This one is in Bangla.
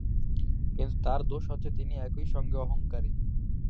কিন্তু তাঁর দোষ হচ্ছে তিনি একই সঙ্গে অহংকারী।